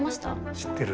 知ってる。